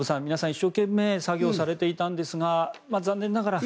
一生懸命作業されていたんですが残念ながら。